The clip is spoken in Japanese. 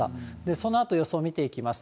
そのあと予想見ていきます。